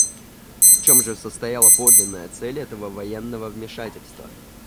В чем же состояла подлинная цель этого военного вмешательства?